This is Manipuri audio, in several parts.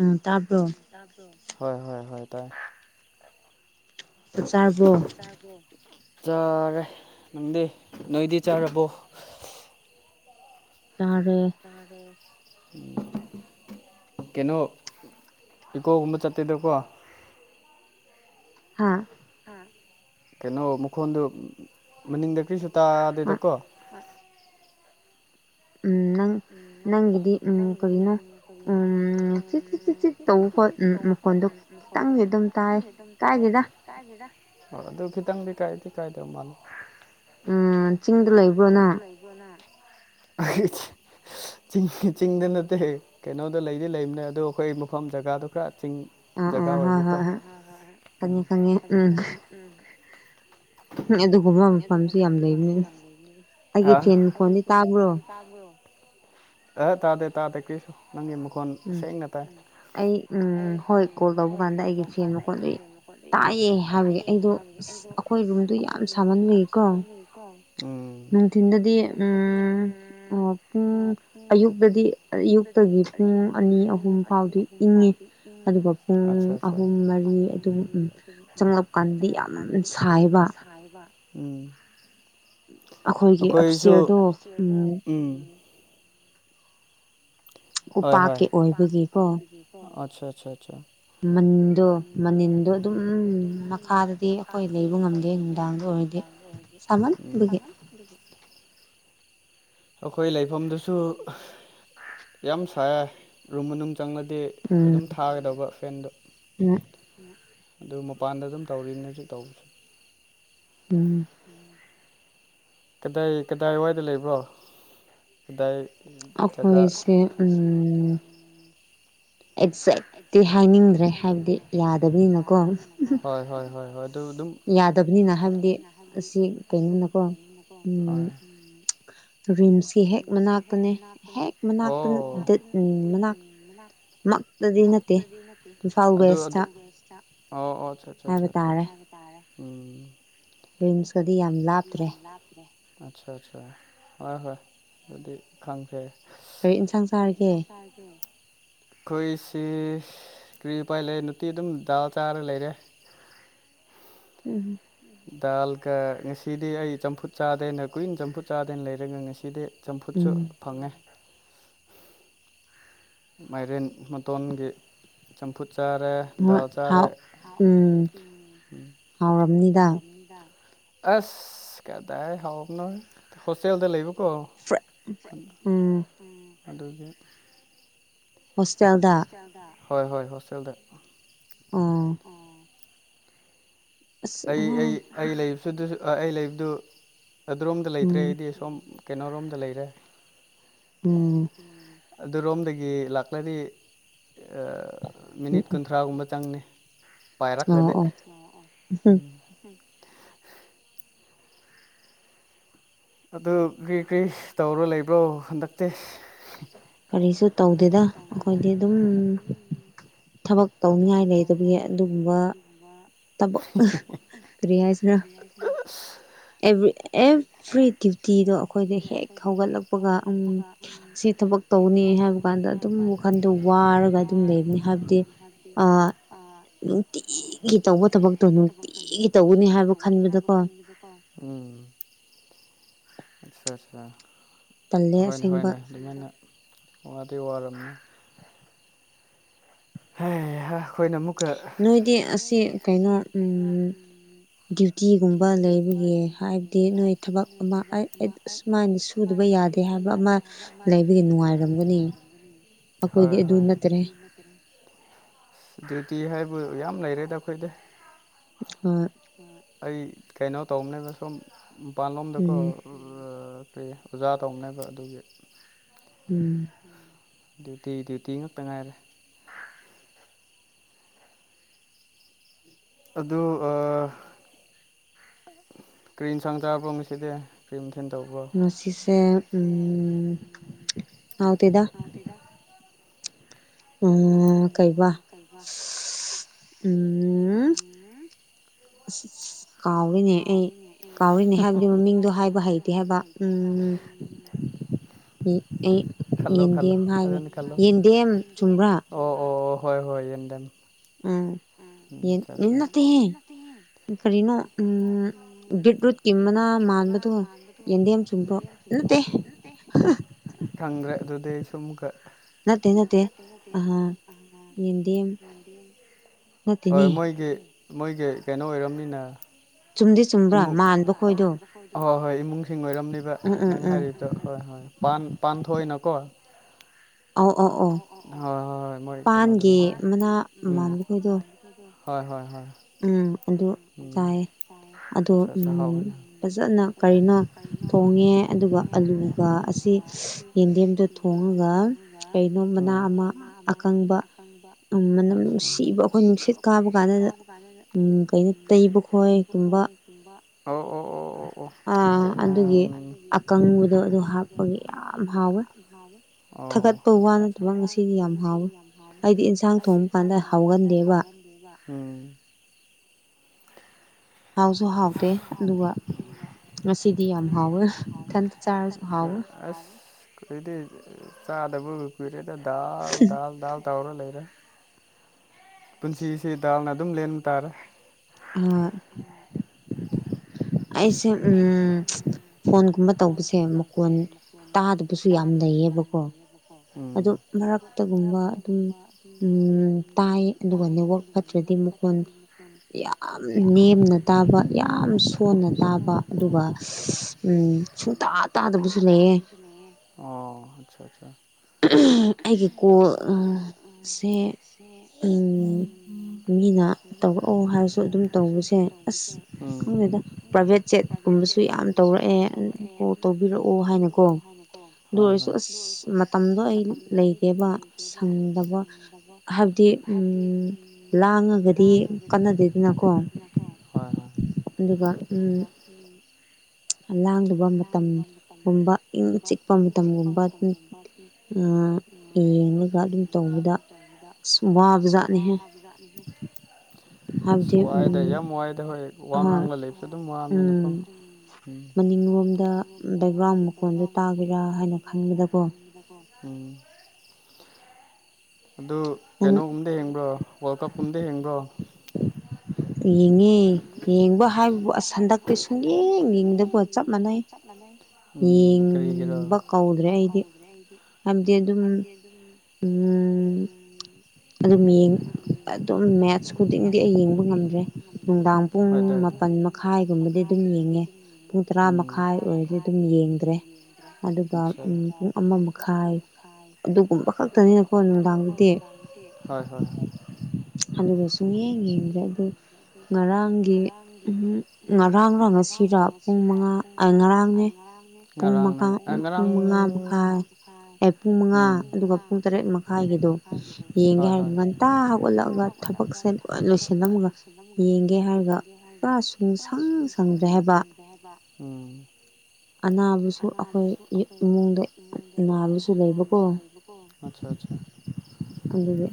ꯑꯝ ꯇꯥꯞ꯭ꯔꯣ ꯍꯣꯏ ꯍꯣꯏ ꯍꯣꯏ ꯇꯥꯏ ꯆ ꯆꯔꯕꯣ ꯆꯥꯔꯦ ꯅꯪꯗꯤꯦ ꯅꯣꯏꯗꯤ ꯆꯥꯔꯕꯣ ꯇꯦ ꯀꯩꯅꯣ ꯏꯀꯣꯒꯨꯝꯕ ꯆꯠꯇꯦꯗꯀꯣ ꯍꯥꯥ ꯀꯩꯅꯣ ꯃꯈꯣꯟꯗꯨ ꯃꯅꯤꯡꯗ ꯀꯔꯤꯁꯨ ꯇꯗꯗꯀꯣ ꯅꯪ ꯅꯪꯒꯤꯗꯤ ꯀꯔꯤꯅꯣ ꯆꯤꯠ ꯆꯤꯠ ꯆꯤꯠ ꯆꯤꯠ ꯇꯧ ꯈꯣꯠ ꯇꯧꯕ ꯈꯣꯠ ꯃꯈꯣꯟꯗꯣꯈꯤꯇꯪꯒꯤ ꯑꯗꯨꯝ ꯇꯥꯏ ꯇꯥꯏꯈꯤꯗ ꯍꯣꯏ ꯑꯗꯨ ꯈꯤꯇꯪꯗꯤ ꯀꯥꯏꯗꯤ ꯀꯥꯏꯗꯧ ꯃꯥꯜꯂꯣ ꯎꯝ ꯆꯤꯡꯗ ꯂꯩꯕ꯭ꯔꯣꯅ ꯑꯩ ꯆꯤꯡ ꯆꯤꯡꯗ ꯅꯠꯇꯦ ꯀꯩꯅꯣꯗ ꯂꯩꯗꯤ ꯂꯩꯕꯅꯦ ꯑꯗꯣ ꯑꯩꯈꯣꯏ ꯃꯐꯝ ꯖꯒꯥꯗꯣ ꯈꯔ ꯛꯆꯤꯡ ꯖꯒꯥ ꯑꯣꯏꯕꯀꯣ ꯎꯝ ꯑꯗꯨ ꯑꯗꯨ ꯥ ꯑ ꯇꯥꯗꯦ ꯇꯥꯗꯦ ꯀꯔꯤꯁꯨ ꯅꯪꯒꯤ ꯃꯈꯣꯟ ꯁꯦꯡꯅ ꯇꯥꯏ ꯑꯩ ꯍꯣꯏ ꯀꯣꯜ ꯇꯧꯕ ꯀꯥꯟꯗ ꯑꯩꯒꯤ ꯐꯦꯟꯕ ꯈꯣꯠꯂꯨꯏ ꯇꯥꯛꯑꯦ ꯍꯥꯏꯕꯒꯤ ꯑꯩꯗꯣ ꯑꯩꯈꯣꯏ ꯔꯨꯝꯗꯨ ꯌꯥꯝ ꯁ ꯑꯗꯨ ꯌꯥꯝ ꯁꯥꯕ ꯂꯩꯌꯦꯀꯣ ꯅꯨꯡꯊꯤꯟꯜꯗꯗꯤ ꯑꯣ ꯑꯌꯨꯛꯇꯗꯤ ꯑꯌꯨꯛꯇꯒꯤ ꯄꯨꯡ ꯑꯅꯤ ꯑꯍꯨꯝ ꯐꯥꯎꯗꯤ ꯏꯪꯉꯤ ꯑꯗꯨꯒ ꯄꯨꯡ ꯑꯍꯨꯝ ꯃꯔꯤ ꯑꯗꯨꯝ ꯑꯗꯒꯤ ꯆꯪꯂꯛ ꯀꯥꯟꯗꯤ ꯌꯥꯝꯅ ꯁꯥꯏꯕ ꯑꯩꯈꯣꯏꯁꯨ ꯎꯝ ꯍꯣꯏ ꯍꯣꯏ ꯑꯆꯥ ꯃꯅꯤꯟꯗꯣ ꯃꯅꯤꯟꯗꯣ ꯑꯗꯨꯝ ꯃꯈꯥꯗꯗꯤ ꯑꯩꯈꯣꯏ ꯂꯩꯕ ꯉꯝꯗꯦ ꯅꯨꯡꯗꯥꯡꯗ ꯑꯣꯏꯔꯗꯤ ꯁꯃꯅ ꯒꯦ ꯑꯩꯈꯣꯏ ꯂꯩꯐꯝꯗꯨꯁꯨ ꯌꯥꯝ ꯁꯥꯏ ꯔꯨꯝ ꯃꯅꯨꯡ ꯆꯪꯉꯗꯤ ꯑꯗꯨꯝ ꯊꯥꯒꯗꯧꯕ ꯐꯦꯟꯗꯣ ꯑꯗꯨ ꯃꯄꯥꯟꯗ ꯑꯗꯨꯝ ꯇꯧꯔꯤꯅꯦ ꯁꯤ ꯇꯧꯕꯁꯦ ꯎꯝ ꯀꯗꯥꯏ ꯀꯗꯥꯏꯋꯥꯏꯗ ꯂꯩꯕ꯭ꯔꯣ ꯀꯗꯥꯏ ꯒꯥ ꯍꯣꯏ ꯍꯣꯏ ꯍꯣꯏ ꯍꯣꯏ ꯑꯗꯨ ꯑꯗꯨꯝ ꯌꯥꯅꯤ ꯍꯣꯏ ꯁꯤ ꯍꯦꯛ ꯃꯅꯥꯅꯤ ꯑꯗꯨ ꯑꯣ ꯑꯆꯥ ꯑꯆꯥ ꯑ ꯎꯝ ꯔꯤꯝꯁꯀꯗꯤ ꯌꯥꯝ ꯂꯥꯞꯇ꯭ꯔꯦ ꯑꯠꯆꯥ ꯑꯆꯥ ꯍꯣꯏ ꯍꯣꯏ ꯑꯗꯨꯗꯤ ꯈꯪꯈ꯭ꯔꯦ ꯈꯣꯏ ꯅꯨꯡꯇꯤ ꯀ꯭ꯔꯤ ꯄꯥꯏ ꯂꯩꯦ ꯅꯨꯡꯇꯤ ꯑꯗꯨꯝ ꯗꯥꯜ ꯆꯥꯔ ꯂꯩꯔꯦ ꯗꯥꯜꯒ ꯉꯁꯤꯗꯤ ꯑꯩ ꯆꯝꯐꯨꯠ ꯆꯥꯗꯦꯅ ꯀꯨꯏꯅ ꯆꯝꯐꯨꯠ ꯆꯥꯗꯅ ꯂꯩꯔꯒ ꯉꯁꯤꯗꯤ ꯆꯝꯐꯨꯠꯁꯨ ꯐꯪꯉꯦ ꯃꯥꯏꯔꯦꯟ ꯃꯇꯣꯟꯒꯤ ꯆꯝꯐꯨꯠ ꯆꯥꯔꯦ ꯜ ꯆꯥꯔꯦ ꯎ ꯑꯁ ꯀꯗꯥꯥꯏ ꯍꯥꯎꯝ ꯅꯣꯏ ꯍꯣꯁꯦꯜꯗ ꯂꯩ ꯀꯣ ꯑꯗꯨꯒꯗꯒꯤ ꯍꯣꯁꯇꯦꯜꯗ ꯍꯣꯏ ꯍꯣꯏ ꯍꯣꯁꯇꯦꯜꯗ ꯑꯥ ꯑꯩ ꯑꯩ ꯂꯩꯕꯁꯨ ꯑꯩ ꯂꯩꯕꯗꯨ ꯑꯗꯨꯔꯣꯝꯗ ꯂꯩꯇ꯭ꯔꯦ ꯑꯩꯗꯤ ꯁꯣꯝ ꯀꯩꯅꯣꯣꯔꯣꯝꯗ ꯂꯩꯔꯦ ꯎꯝ ꯑꯗꯨꯔꯣꯝꯗꯒꯤ ꯂꯥꯛꯂꯔꯤ ꯃꯤꯅꯤꯠ ꯀꯨꯟꯊ꯭ꯔꯥꯒꯨꯝꯕ ꯆꯪꯅꯤ ꯄꯥꯏꯔꯥꯛ ꯃꯗꯦ ꯑꯗꯨ ꯀ꯭ꯔꯤ ꯀ꯭ꯔꯤ ꯇꯧꯔꯣ ꯂꯩꯕ꯭ꯔꯣ ꯍꯟꯗꯛꯇꯤ ꯀꯔꯤꯁꯨ ꯇꯧꯗꯦꯗ ꯑꯩꯈꯣꯏꯗꯤ ꯑꯗꯨꯝ ꯊꯕꯛ ꯇꯧꯅꯤꯉꯥꯏ ꯂꯩꯇꯕꯒꯤ ꯑꯗꯨꯒꯨꯝꯕ ꯇꯕ ꯀꯔꯤꯌꯥꯁꯤꯅ ꯑꯦꯚ꯭ꯔꯤ ꯗ꯭ꯌꯨꯇꯤꯗꯣ ꯑꯩꯈꯣꯏꯗ ꯍꯦꯛ ꯍꯧꯒꯠꯂꯛꯄꯒꯝ ꯁꯤ ꯊꯕꯛ ꯇꯧꯅꯤ ꯍꯥꯏꯕ ꯀꯥꯟꯗ ꯑꯗꯨꯝ ꯋꯥꯈꯟꯗꯣ ꯋꯥꯔꯒ ꯑꯗꯨꯝ ꯂꯩꯕꯅꯤ ꯍꯥꯏꯕꯗꯤ ꯅꯨꯡꯇꯤ ꯒꯤ ꯇꯧꯕ ꯊꯕꯛꯇꯣ ꯅꯨꯡꯇꯤꯒꯤ ꯇꯧꯒꯅꯤ ꯍꯥꯏꯕ ꯈꯟꯕꯗꯀꯣ ꯎꯝ ꯑꯆꯥ ꯑꯠꯆꯥ ꯍꯣꯏꯅꯦ ꯍꯣꯏꯅꯦ ꯑꯗꯨꯃꯥꯏꯅ ꯋꯥꯗꯤ ꯋꯥꯔꯝꯅꯤ ꯍ ꯍꯣꯏꯅ ꯑꯃꯨꯛ ꯅꯣꯏꯗꯤ ꯑꯁꯤ ꯀꯩꯅꯣ ꯎꯝ ꯗ꯭ꯌꯨꯇꯤꯒꯨꯝꯕ ꯂꯩꯕꯒꯤ ꯍꯥꯏꯕꯗꯤ ꯅꯣꯏ ꯊꯕꯛ ꯑꯃ ꯑꯁꯨꯃꯥꯏꯅ ꯁꯨꯗꯕ ꯌꯥꯔꯦ ꯍꯣꯏ ꯍꯣꯏ ꯗ꯭ꯌꯨꯇꯤ ꯍꯥꯏꯕꯨ ꯌꯥꯝ ꯂꯩꯔꯦꯗ ꯑꯩꯈꯣꯏꯗ ꯑ ꯑꯩ ꯀꯩꯅꯣ ꯇꯧꯕꯅꯦꯕ ꯁꯨꯝ ꯃꯄꯥꯟꯂꯣꯝꯗꯀꯣ ꯑꯣꯖꯥ ꯇꯧꯅꯕ ꯑꯗꯨꯒꯤ ꯎꯝ ꯗ꯭ꯌꯨꯇꯤ ꯗ꯭ꯌꯨꯇꯤ ꯉꯥꯛꯛꯇ ꯉꯥꯏꯔꯦ ꯑꯗꯨ ꯀ꯭ꯔꯤꯝ ꯁꯥꯡ ꯇꯥꯕꯣ ꯉꯁꯤꯗꯤ ꯀ꯭ꯔꯤꯝ ꯊꯦꯟ ꯇꯧꯕꯣ ꯃꯥꯄꯤꯁꯦ ꯄꯇꯗ ꯑꯝ ꯀꯩꯕ ꯎꯝ ꯑ ꯀꯥꯎꯔꯤꯅꯦ ꯑꯩ ꯀꯥꯎꯔꯤꯅꯦ ꯍꯥꯏꯕꯗꯤ ꯃꯃꯤꯡꯗꯣ ꯍꯥꯏꯕ ꯍꯩꯇꯦ ꯍꯥꯏꯕ ꯎꯝ ꯈꯜꯂꯣ ꯈꯜꯣ ꯀꯅꯤ ꯈꯂꯣ ꯑꯣ ꯑꯣ ꯑꯣ ꯍꯣꯏ ꯍꯣꯏ ꯌꯦꯟꯗꯦꯝ ꯎꯝ ꯌꯦꯟꯅꯍꯦ ꯀꯔꯤꯅꯣ ꯎꯝ ꯕꯔꯤꯠ ꯔꯨꯠ ꯀꯤꯕꯅ ꯃꯥꯟꯕꯗꯣ ꯌꯦꯟꯗꯦꯝꯦꯝ ꯆꯨꯝꯕ꯭ꯔꯣ ꯅꯠꯇꯦ ꯈꯪꯗ꯭ꯔꯦ ꯑꯗꯨꯗꯤ ꯁꯨꯝꯀ ꯉꯇ ꯅꯗꯤ ꯑ ꯃꯗꯤ ꯍꯣꯏ ꯃꯣꯏꯒꯤ ꯃꯣꯏꯒꯤ ꯀꯩꯅꯣ ꯑꯣꯏꯔꯝꯃꯤꯅ ꯃ ꯍ ꯍꯣꯏ ꯁꯤꯡ ꯑꯣꯏꯔꯝꯅꯤꯕ ꯅꯪ ꯍꯥꯏꯔꯤꯕꯗꯣ ꯍꯣꯏ ꯍꯣꯏ ꯄꯥꯟ ꯊꯣꯛꯏꯅꯀꯣ ꯑꯧ ꯑꯧ ꯑꯣ ꯄꯥꯟꯒꯦ ꯃꯅꯥ ꯃꯥꯟꯕ ꯈꯣꯏꯗꯣ ꯍꯣꯏ ꯍꯣꯏ ꯍꯣꯏ ꯎꯝ ꯑꯗꯨ ꯆꯥꯏꯌꯦ ꯑꯗꯣ ꯐꯖꯅ ꯀꯔꯤꯅꯣ ꯊꯣꯡꯉꯦ ꯑꯗꯨꯒ ꯑꯂꯨꯒ ꯑꯁꯤ ꯑꯁꯤ ꯌꯦꯤꯡꯗꯦꯝꯗ ꯊꯣꯡꯉꯒ ꯆꯣꯡꯕꯣ ꯃꯅꯥ ꯑꯃ ꯑꯀꯪꯕ ꯎꯝ ꯃꯅꯝ ꯅꯨꯡꯁꯤꯕ ꯑꯩꯈꯣꯏ ꯅꯨꯡꯁꯤꯠ ꯀꯥꯕ ꯀꯥꯟꯗ ꯎꯝ ꯀꯩꯅꯣ ꯇꯩꯕ ꯈꯣꯏ ꯑꯣ ꯑꯣ ꯑꯣ [unintelligible] ꯊꯥꯒꯠꯄ ꯋꯥ ꯅꯠꯇꯕ ꯉꯁꯤꯗꯤ ꯌꯥꯝ ꯍꯥꯎꯋꯤ ꯑꯩꯗꯤ ꯏꯟꯁꯥꯡ ꯊꯣꯡꯕ ꯀꯥꯟꯗ ꯍꯥꯎꯒꯟꯗꯦꯕ ꯑꯝ [inaudible] ꯍꯥꯎꯁꯨꯣ ꯍꯥꯎꯗ ꯑꯗꯨꯒ ꯑ ꯑꯁ ꯀꯗꯤ ꯆꯥꯗꯕꯒ ꯀꯨꯏꯔꯦꯗ ꯗꯥꯜ ꯗꯥꯜ ꯗꯥꯜ ꯇꯧꯔ ꯂꯩꯔꯦ ꯄꯨꯟꯁꯤꯁꯤꯗꯥꯜꯅ ꯑꯗꯨꯝ ꯂꯦꯟꯕ ꯇꯥꯔꯦ ꯑ ꯑꯩꯁꯦ ꯐꯣꯟꯒꯨꯝꯕ ꯇꯧꯕꯁꯦ ꯃꯀꯣꯟ ꯇꯥꯗꯕꯁꯨ ꯌꯥꯝ ꯂꯩꯌꯦꯕ ꯕꯀꯣ ꯑꯗꯨ ꯃꯔꯛꯇꯒꯨꯝꯕ ꯑꯗꯨꯝ ꯇꯥꯏ ꯑꯗꯨꯒ ꯅꯦꯠꯋꯥꯛ ꯐꯠꯇ꯭ꯔꯗꯤ ꯃꯈ ꯌꯥꯝ ꯅꯦꯝꯅ ꯇꯥꯕ ꯌꯥꯝ ꯁꯣꯟꯅ ꯇꯥꯕ ꯅ ꯇꯥꯕ ꯑꯗꯨꯒ ꯎ ꯁꯨꯡꯇꯥ ꯇꯥꯗꯕꯁꯨꯅꯦꯌꯦ ꯑꯆꯥ ꯑꯩꯒꯤ ꯀꯣꯜꯁꯦ ꯃꯤꯅ ꯇꯧꯔꯛꯑꯣ ꯍꯥꯏꯔꯁꯨ ꯑꯗꯨꯝ ꯇꯧꯕꯁꯦ ꯑꯁ ꯈꯪꯗꯦꯗ ꯄ꯭ꯔꯥꯏꯚꯦꯠ ꯁꯦꯠꯀꯨꯝꯕꯁꯨ ꯌꯥꯝ ꯇꯧꯔꯛꯑꯦ ꯀꯣ ꯇꯧꯕꯤꯔꯛꯑꯣ ꯍꯥꯏꯅꯀꯣ ꯑꯗꯨ ꯑꯣꯏꯔꯁꯨ ꯑꯁ ꯃꯇꯝꯗꯣ ꯑꯩ ꯂꯩꯗꯦꯕ ꯁꯪꯗꯕ ꯍꯥꯏꯕꯗꯤ ꯎ ꯂꯥꯡꯉꯒꯗꯤ ꯀꯥꯅꯗꯦꯗꯅ ꯀꯣ ꯑꯗꯨꯒꯀ ꯎꯝ ꯎꯝ ꯂꯥꯡꯗꯨꯕ ꯃꯇꯝꯒꯨꯝꯕ ꯏꯪ ꯆꯤꯛꯄ ꯃꯇꯝꯒꯨꯝꯕ ꯌꯦꯒ ꯑꯗꯨꯝ ꯇꯧꯕꯗ ꯑꯁꯨꯝ ꯋꯥꯕ ꯖꯥꯠꯅꯤꯍꯦ ꯑꯁ ꯋꯥꯏꯗ ꯌꯥꯝ ꯋꯥꯏꯗ ꯍꯣꯏ ꯋꯥ ꯉꯥꯡꯂ ꯂꯩꯕꯁꯨ ꯑꯗꯨꯝ ꯋꯥꯝꯃꯤ [unintelligible] ꯃꯅꯤꯡꯂꯣꯝꯗ ꯕꯦꯛꯒ꯭ꯔꯥꯎꯟ ꯃꯈꯣꯟꯗꯣ ꯇꯥꯒꯦꯔꯥ ꯍꯥꯏꯅ ꯈꯟꯕꯗꯀꯣ ꯎꯝ ꯑꯗꯨ ꯀꯩꯅꯣꯒꯨꯝꯗ ꯍꯦꯟꯕ꯭ꯔꯣ ꯋꯥꯔꯜ ꯀꯞꯀꯨꯝꯗ ꯍꯦꯟꯕ꯭ꯔꯣ ꯌꯦꯡꯉꯤ ꯌꯦꯡꯕ ꯍꯥꯏꯕꯕꯨ ꯍꯟꯗꯛ ꯁꯨꯡ ꯌꯦꯡ ꯌꯦꯡꯗꯕ ꯆꯞ ꯃꯥꯟꯅꯩ ꯌꯦꯡꯕ ꯀꯧꯗ꯭ꯔꯦ ꯑꯩꯗꯤ ꯑꯣ꯭ꯔꯥꯗ ꯍꯥꯏꯕꯗꯤ ꯑꯗꯨꯝ ꯎꯝ ꯑꯗꯨꯝꯡ ꯑꯗꯨꯝ ꯃꯦꯠꯁ ꯈꯨꯗꯤꯡꯗꯤ ꯑꯩ ꯌꯦꯡꯕ ꯉꯝꯗ ꯅꯨꯡꯗꯥꯡ ꯄꯨꯡ ꯃꯄꯥꯜ ꯃꯈꯏ [unintelligible] ꯑꯃ ꯃꯈꯥꯏ ꯑꯗꯨꯒꯅꯨꯡ ꯍꯣꯏ ꯍ ꯑꯗꯨꯒ ꯁꯨꯝ ꯌꯦꯡ ꯌꯦꯡꯗ꯭ꯔꯦ ꯑꯗꯨ ꯉꯔꯥꯡꯒꯤ ꯎꯝ ꯉꯔꯥꯡꯒ ꯑꯁꯤꯗ ꯄꯨꯡꯉꯥ ꯉꯔꯥꯡ ꯉꯔꯥꯡ ꯉꯔꯥꯡ ꯑꯦ ꯄꯨꯡ ꯃꯉꯥ ꯑꯗꯨꯒ ꯄꯨꯡ ꯇꯔꯦꯠ ꯃꯈꯥꯏꯒꯤꯗꯣ ꯌꯦꯡꯒꯦ ꯍꯥꯏ ꯉ ꯄꯨꯔꯥ ꯍꯧꯞꯒꯠꯂꯛꯑꯒ ꯊꯕꯛꯁꯦ ꯂꯣꯏ ꯂꯣꯏꯁꯤꯟꯂꯝꯃꯒ ꯌꯦꯡꯒꯦ ꯍꯥꯏꯔꯒ ꯄꯨꯔꯥ ꯆꯁꯤ ꯁꯪ ꯁꯪꯗ ꯍꯥꯏꯕ ꯎ ꯑꯅꯥꯕꯁꯨ ꯑꯩꯈꯣꯏ ꯏꯃꯨꯡꯗ ꯑꯅꯥꯕꯁꯨ ꯂꯩꯕꯀꯣ ꯑꯆꯥ ꯑꯗꯨꯗꯤ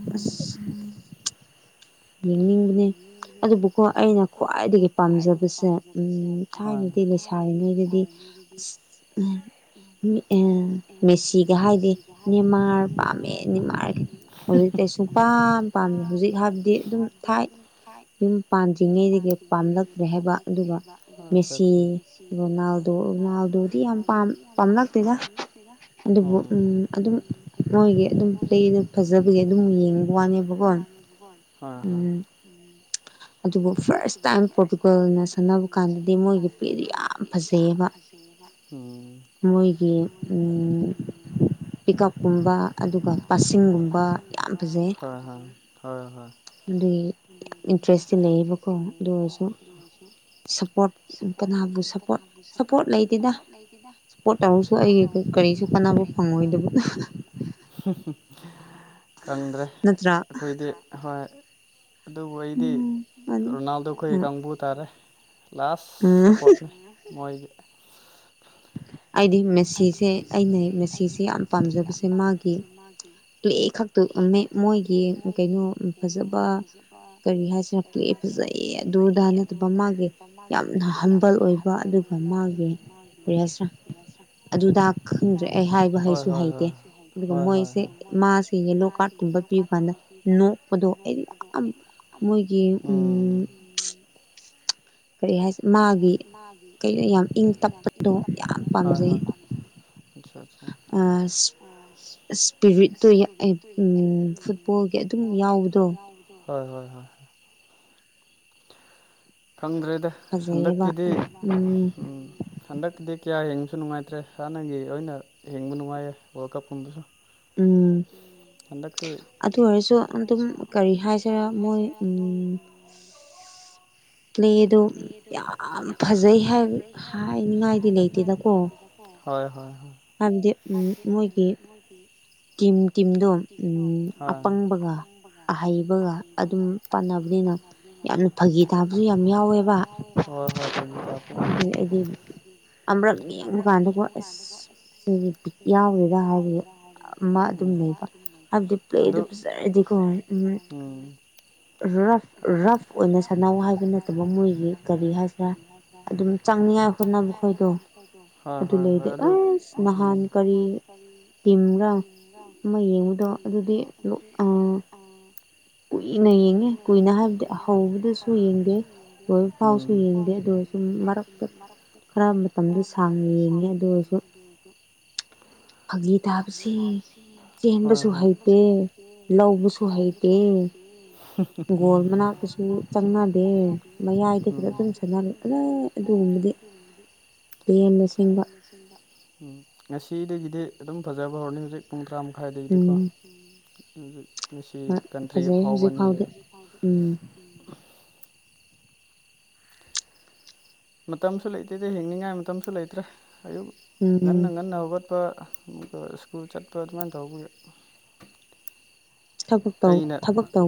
ꯌꯦꯡꯅꯤꯡꯕꯅꯦ ꯑꯗꯨꯕꯨꯀꯣ ꯑꯩꯅ ꯈ꯭ꯋꯥꯏꯗꯒꯤ ꯄꯥꯝꯖꯕꯁꯦ ꯊꯥꯏꯅꯗꯤ ꯂꯩꯁꯥꯔꯤꯉꯩꯗꯗꯤ ꯑꯁ ꯃꯦꯁꯤꯒ ꯍꯥꯏꯗꯤ ꯅꯤꯃꯥꯔ ꯄꯥꯝꯃꯦ ꯅꯤꯃꯥꯔꯒ ꯍꯧꯖꯤ ꯀ ꯁꯨꯡ ꯄꯥꯝ ꯄꯥꯝꯃꯦ ꯍꯧꯖꯤꯛ ꯍꯥꯏꯕꯗꯤ ꯑꯗꯨꯝ ꯊꯥꯏ ꯌꯨꯝ ꯄꯥꯟꯗ꯭ꯔꯤꯉꯩꯗꯒꯤ ꯄꯥꯝꯂꯛ ꯝꯂꯦ ꯍꯥꯏꯕꯅꯥꯎ ꯎꯅꯥꯎꯗꯤ ꯌꯥꯝ ꯄꯥꯝ ꯄꯥꯝꯂꯄꯤꯦꯔ ꯑꯗꯨꯕꯨ ꯎ ꯑꯗꯨꯝ ꯃꯣꯏꯒꯤ ꯑꯗꯨꯝ ꯐꯖ ꯎ ꯑꯗꯨꯕꯨ ꯐ ꯇ ꯈꯤꯇ ꯄꯣꯄꯤꯀꯔ ꯑꯣꯏꯅ ꯁꯥꯟꯅꯕ ꯀꯥꯟꯗꯗꯤ ꯃꯣꯏꯒꯤ ꯐꯦꯗꯤ ꯌꯥꯝ ꯐꯖꯩꯌꯦꯕ ꯒꯤ ꯄꯤꯛꯞꯀꯨꯝꯕ ꯑꯗꯨꯒ ꯄꯁꯤꯡꯒꯨꯝꯕ ꯌꯥꯝ ꯐꯖꯩ ꯍꯣꯏ ꯍꯣꯏ ꯍꯣꯏ ꯍꯣꯏ ꯌꯥꯝ ꯏꯟꯇꯔꯦꯁꯇꯤ ꯂꯩꯌꯦꯕꯀꯣ ꯑꯗꯨ ꯑꯣꯏꯔꯁꯨ ꯁꯞꯄꯣꯔꯠ ꯀꯅꯥꯕꯨ ꯁꯞꯄꯣꯔꯠ ꯁꯞꯄꯣꯔꯠ ꯂꯩꯇꯦꯗ ꯍꯁꯨ ꯐ ꯀꯪꯗ꯭ꯔꯦ ꯑꯩꯈꯣꯏꯗꯤ ꯍꯣꯏ ꯑꯗꯨꯕꯨ ꯑꯩꯗꯤ ꯔꯣꯅꯥꯜꯗꯣ ꯑꯩꯈꯣꯏ ꯀꯥꯡꯕꯨ ꯇꯥꯔꯦ ꯂꯥꯁ ꯁꯞꯄꯣꯔꯠꯅꯤ ꯃꯣꯏꯒꯤ ꯍꯥꯏꯗꯤ ꯃꯦꯁꯤꯁꯦ ꯑꯩꯅ ꯃꯦꯁꯤꯁꯦ ꯌꯥꯝ ꯄꯥꯝꯖꯕꯁꯦ ꯃꯥꯒꯤ ꯄ꯭ꯂꯦ ꯈꯛꯇ ꯃꯣꯏꯒꯤ ꯀꯩꯅꯣ ꯐꯖꯕ ꯀꯔꯤ ꯍꯥꯏꯁꯤꯔ ꯄ꯭ꯂꯦ ꯐꯖꯕ ꯕ ꯑꯗꯨꯗꯥ ꯅꯠꯇꯕ ꯃꯥꯒꯤ ꯌꯥꯝꯅ ꯍꯝꯕꯜ ꯑꯣꯏꯕ ꯑꯗꯨꯒ ꯃꯥꯒꯤ [unintelligible] ꯑꯗꯨꯗ ꯈꯪꯗ꯭ꯔꯦ ꯑꯩ ꯍꯥꯏꯕ ꯍꯩꯁꯨ ꯍꯩꯇꯦ ꯑꯗꯨꯒ ꯃꯣꯏꯁꯦ ꯃꯥꯁꯦ ꯌꯦꯂꯣ ꯀꯥꯔꯠ ꯀꯨꯝꯕ ꯕ ꯄꯤꯕ ꯀꯥꯟꯗ ꯅꯣꯛꯄꯗꯣ ꯑꯩꯗꯤ ꯌꯥꯝ ꯃꯣꯏꯒꯤ ꯎꯝ [unintelligible] ꯀꯔꯤ ꯍꯥꯏꯁꯤ ꯃꯥꯒꯤ ꯀꯣ ꯌꯥꯝ ꯏꯪ ꯇꯞꯄꯗꯣ ꯌꯥꯝ ꯄꯥꯝꯖꯩ [unintelligible] ꯏꯁꯄꯤꯔꯤꯠꯇꯨ ꯐꯨꯠꯕꯣꯜꯒꯤ ꯑꯗꯨꯝ ꯌꯥꯎꯕꯗꯣ ꯍꯣꯏ ꯍꯣꯏ ꯍꯣꯏ ꯍ ꯈꯪꯗ꯭ꯔꯦꯗ ꯍꯟꯗꯛꯀꯤꯗꯤ ꯍꯟꯗꯛꯀꯤꯗꯤ ꯀꯌꯥ ꯌꯦꯡꯕꯁꯨ ꯅꯨꯡꯉꯥꯏꯇꯦ ꯇ꯭ꯔꯦ ꯍꯥꯟꯅꯒꯤ ꯑꯣꯏꯅ ꯍꯤꯡꯕ ꯅꯨꯡꯉꯥꯏꯌꯦ ꯋꯥꯔꯜ ꯀꯞꯀꯨꯝꯕꯁꯨ ꯎꯝ ꯍꯟꯗꯛ ꯑꯗꯨ ꯑꯣꯏꯔꯁꯨ ꯑꯗꯨꯝ ꯀꯔꯤ ꯍꯥꯏꯁꯤꯔꯥ [unintelligible] ꯄ꯭ꯂꯦꯗꯣ ꯌꯥꯝ ꯐꯖꯩ ꯍꯥꯏ ꯍꯥꯏꯅꯤꯡꯉꯥꯏꯗꯤ ꯂꯩꯇꯦꯗꯀꯣ ꯍꯣꯏ ꯍꯣꯏ ꯍꯣꯏ ꯍꯥꯏꯕꯗꯤ ꯎꯝ ꯃꯣꯏꯒꯤ ꯇꯤꯝ ꯇꯤꯝꯗꯣ ꯑꯄꯪꯕꯒ ꯑꯍꯩꯕꯒ ꯑꯗꯨꯝ ꯄꯥꯟꯅꯕꯅꯤꯅ ꯌꯥꯝꯅ ꯐꯥꯒꯤ ꯐꯒꯤ ꯇꯕꯁꯨ ꯌꯥꯝ ꯍꯣꯏ ꯍꯣꯏ ꯐꯒꯤ ꯇꯥꯕꯁꯨ ꯌꯥꯝ ꯌꯥꯎꯋ‌ꯦ ꯑꯃꯔꯛ ꯌꯦꯡꯕ ꯀꯥꯟꯗꯀꯣ ꯑꯦꯁ ꯁꯤꯗꯤ ꯕꯤ ꯌꯥꯎꯗꯦꯗ ꯍꯥꯏꯕꯒꯤ [unintelligible] ꯑꯗꯨ ꯎꯝ ꯔꯐ ꯔꯐ ꯑꯣꯏꯅ ꯁꯥꯟ ꯅꯧ ꯍꯥꯏꯕ ꯅꯠꯇꯕ ꯃꯣꯏꯒꯤ ꯀꯔꯤ ꯍꯥꯏꯁꯤꯔꯥ ꯑꯗꯨꯝ ꯆꯪꯅꯤꯉꯥꯏ ꯍꯣꯠꯅꯕ ꯈꯣꯏꯗꯣ ꯑꯗꯨ ꯂꯩꯗꯦ ꯑꯁ ꯅꯍꯥꯟ ꯀꯔꯤ ꯇꯤꯝꯔꯥ ꯇꯤꯡꯒ ꯃꯣꯏꯒꯤꯗꯣ ꯑꯗꯨꯗꯤ ꯀꯨꯏꯅ ꯌꯦꯡꯉꯦ ꯍꯥꯏꯁꯦ ꯍꯧꯕꯗꯁꯨ ꯎꯝ ꯃꯔꯛꯇ ꯈꯔ ꯃꯇꯝꯗꯤ ꯁꯥꯡꯅ ꯌꯦꯡꯉꯦ ꯐꯒꯤ ꯇꯥꯕꯁꯦ ꯍꯣꯏ ꯍꯣꯏ ꯆꯦꯟꯕꯁꯨ ꯍꯩꯇꯦ [unintelligible] ꯒꯣꯜ ꯃꯅꯥꯛꯇꯁꯨ ꯆꯪꯅꯗꯦ ꯃꯌꯥꯏꯗꯨꯗ ꯑꯗꯨꯝ ꯁꯥꯟꯅꯔ ꯑ ꯑꯗꯨꯒꯨꯝꯕꯗꯤ [unintelligible] ꯉꯁꯤꯗꯒꯤꯗꯤ ꯑꯗꯨꯝ ꯐꯖꯕ ꯍꯧꯔꯅꯤ ꯍꯧꯖꯤꯛ ꯄꯨꯡ ꯇꯔꯥꯃꯥ ꯈ꯭ꯋꯥꯏꯗꯒꯤꯗꯤꯀꯣ ꯃꯁꯤ ꯀꯟꯇ꯭ꯔꯤ ꯑꯐꯥꯎꯕ ꯑꯅꯤ ꯂꯩ ꯎꯝ ꯃꯇꯝꯁꯨ ꯂꯩꯇꯦꯗꯤ ꯍꯤꯡꯅꯤꯡꯉꯥꯏ ꯃꯇꯝꯁꯨ ꯂꯩꯇ꯭ꯔꯦ ꯑꯌꯨꯛ ꯉꯟꯅ ꯉꯟꯅꯕ ꯆꯠꯄ ꯑꯗꯨꯒ ꯁ꯭ꯀꯨꯜ ꯆꯠꯄ ꯑꯗꯨꯃꯥꯏꯅ ꯇꯧꯕꯒꯤ ꯊꯕꯛ ꯇꯧ ꯊꯕꯛ ꯇꯧ